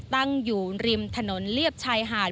ตั้งอยู่ริมถนนเลียบชายหาด